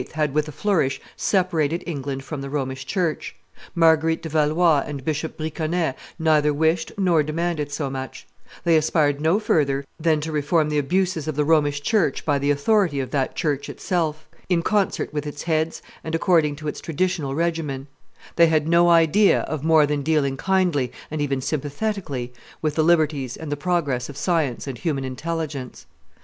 had with a flourish separated England from the Romish church; Marguerite de Valois and Bishop Briconnet neither wished nor demanded so much; they aspired no further than to reform the abuses of the Romish church by the authority of that church itself, in concert with its heads and according to its traditional regimen; they had no idea of more than dealing kindly, and even sympathetically, with the liberties and the progress of science and human intelligence.